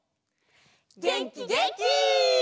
げんきげんき！